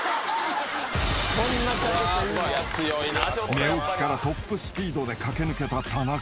［寝起きからトップスピードで駆け抜けた田中］